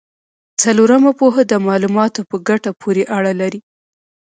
څلورمه پوهه د معلوماتو په ګټه پورې اړه لري.